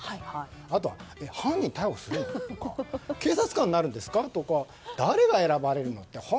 あとは犯人、逮捕するの？とか警察官になるんですか？とか誰が選ばれるのって